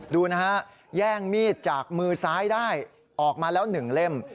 ดูนะฮะแย่งมีดจากมือซ้ายได้ออกมาแล้ว๑เล่ม